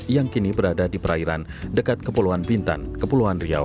yang kini berada di perairan dekat kepulauan bintan kepulauan riau